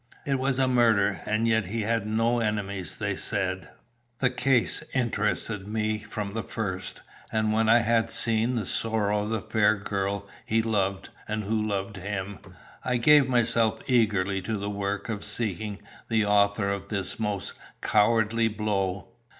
It was a murder, and yet he had no enemies, they said. "The case interested me from the first, and when I had seen the sorrow of the fair girl he loved, and who loved him, I gave myself eagerly to the work of seeking the author of this most cowardly blow.